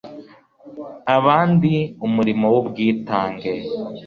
abandi umurimo wu bwitange